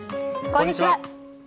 こんにちは。